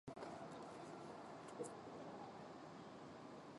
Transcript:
And everything you love, you fear you will lose.